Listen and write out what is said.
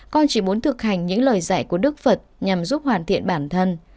con chỉ muốn thực hành những lời dạy của đức phật nhằm giúp hoàn thiện bản thân